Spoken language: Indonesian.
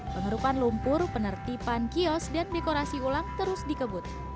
pengerukan lumpur penertiban kios dan dekorasi ulang terus dikebut